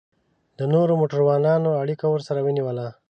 د نورو موټرانو اړیکه ورسره ونیوله.